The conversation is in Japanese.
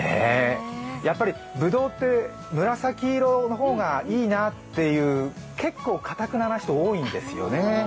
やっぱりぶどうって紫色の方がいいなっていう結構かたくなな人、多いんですよね